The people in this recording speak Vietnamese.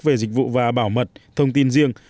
về dịch vụ và bảo mật thông tin riêng